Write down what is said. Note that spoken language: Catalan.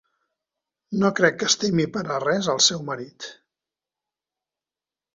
No crec que estimi per a res el seu marit.